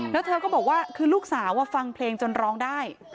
แล้วเธอก็บอกว่าคือลูกสาวฟังเพลงจนร้องได้